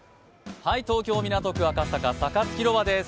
東京・港区、赤坂サカス広場です。